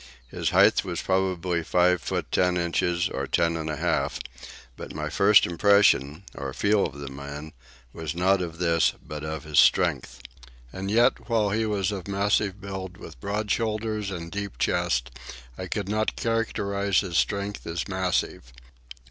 His height was probably five feet ten inches, or ten and a half; but my first impression, or feel of the man, was not of this, but of his strength. And yet, while he was of massive build, with broad shoulders and deep chest, I could not characterize his strength as massive.